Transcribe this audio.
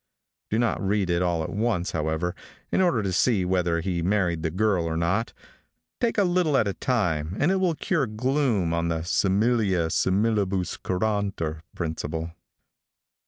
Do not read it all at once, however, in order to see whether he married the girl or not. Take a little at a time, and it will cure gloom on the "similia simili bus curanter" principle.